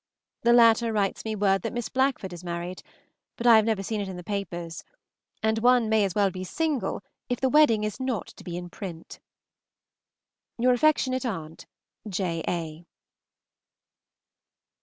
The latter writes me word that Miss Blackford is married, but I have never seen it in the papers, and one may as well be single if the wedding is not to be in print. Your affectionate aunt, J. A.